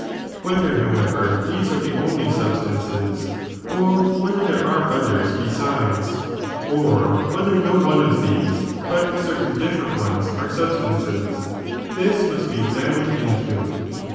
Whether, however, these are the only substances, or whether there are others besides, or whether no one of these, but certain dif ferent ones, are substances ? this must be examined into.